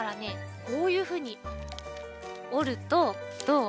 こういうふうにおるとどう？